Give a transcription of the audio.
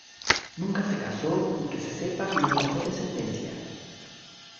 Nunca se casó y que se sepa no dejó descendencia.